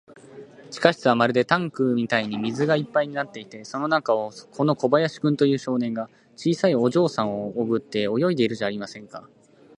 地下室はまるでタンクみたいに水がいっぱいになっていて、その中を、この小林君という少年が、小さいお嬢さんをおぶって泳いでいるじゃありませんか。